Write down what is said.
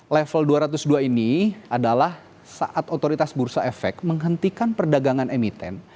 level dua ratus dua ini adalah saat otoritas bursa efek menghentikan perdagangan emiten